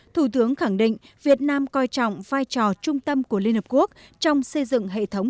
thủ tướng khẳng định việt nam coi trọng vai trò trung tâm của liên hợp quốc trong xây dựng hệ thống